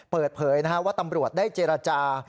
เปิดเผยว่าตำรวจได้เจรจา